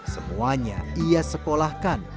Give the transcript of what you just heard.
semuanya ia sekolahkan